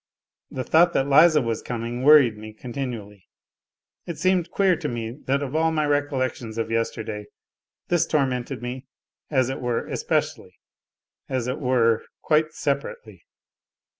The thought that Liza was coming worried me continually. It seemed queer to me that of all my recollections of yesterday this tormented me, as it were, especially, as it were, quite separately.